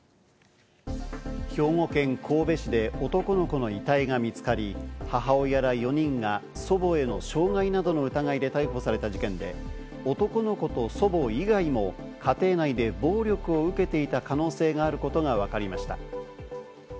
兵庫県神戸市で男の子の遺体が見つかり、母親ら４人が祖母への傷害などの疑いで逮捕された事件で、男の子と祖母以外も家庭内で暴力を受けていた可能性があることがわかりました。